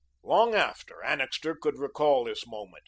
Long after, Annixter could recall this moment.